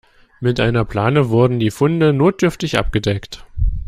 Mit einer Plane wurden die Funde notdürftig abgedeckt.